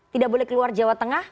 tidak boleh keluar jawa tengah